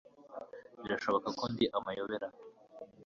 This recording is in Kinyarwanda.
Birashoboka ko ndi amayobera